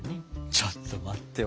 ちょっと待ってよ